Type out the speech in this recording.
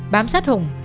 bám sát hùng